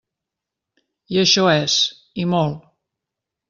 I això és, i molt.